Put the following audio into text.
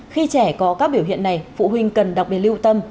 khi trẻ có các biểu hiện này phụ huynh cần đặc biệt lưu tâm